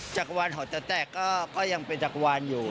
จักรวรรณหอเต๋วแตกก็ยังเป็นจักรวรรณอยู่